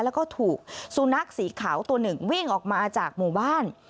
แล้วก็ถูกสุนัขสีขาวตัวหนึ่งวิ่งออกมาจากหมู่บ้าน